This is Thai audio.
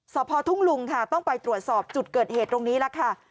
สพทุ่งลุงค่ะต้องไปตรวจสอบจุดเกิดเหตุตรงนี้ล่ะค่ะ